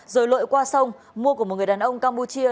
rồi lội qua sông mua của một người đàn ông campuchia